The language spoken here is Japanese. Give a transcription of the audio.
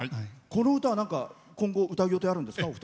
この歌は、今後歌う予定があるんですか？